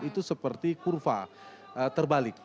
itu seperti kurva terbalik